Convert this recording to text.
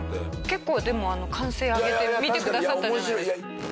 結構でも歓声上げて見てくださったじゃないですか。